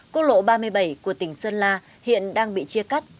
quốc lộ ba mươi bảy của tỉnh sơn la hiện đang bị chia cắt